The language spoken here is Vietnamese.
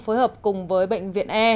phối hợp cùng với bệnh viện e